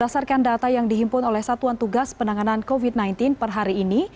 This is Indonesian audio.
berdasarkan data yang dihimpun oleh satuan tugas penanganan covid sembilan belas per hari ini